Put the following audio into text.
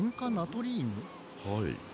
はい。